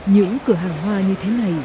những cửa hàng hoa như thế này